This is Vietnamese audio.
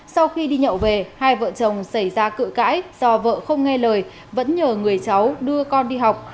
sau khi đi nhậu về hai vợ chồng xảy ra cự cãi do vợ không nghe lời vẫn nhờ người cháu đưa con đi học